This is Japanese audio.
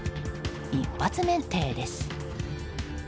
一発免停です。